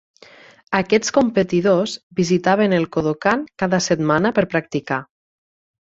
Aquests competidors visitaven el Kodokan cada setmana per practicar.